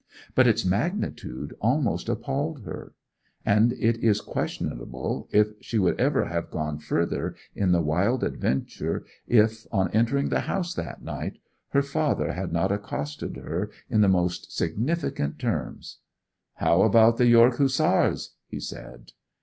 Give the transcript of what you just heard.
But its magnitude almost appalled her; and it is questionable if she would ever have gone further in the wild adventure if, on entering the house that night, her father had not accosted her in the most significant terms. 'How about the York Hussars?' he said.